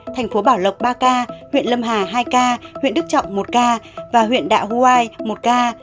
thành phố bảo lộc ba ca huyện lâm hà hai ca huyện đức trọng một ca và huyện đạ huai một ca